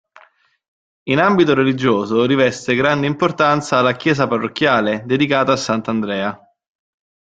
In ambito religioso riveste grande importanza la chiesa parrocchiale, dedicata a sant'Andrea.